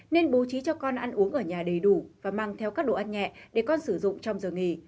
nên bố trí cho con ăn uống ở nhà đầy đủ và mang theo các đồ ăn nhẹ để con sử dụng trong giờ nghỉ